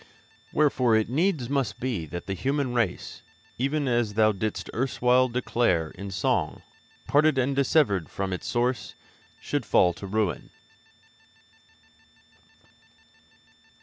Wherefore it needs must be that the human race, even as thou didst erstwhile declare in song, parted and dissevered from its Source, should fall to ruin.'